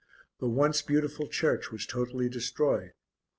The once beautiful church was totally destroyed.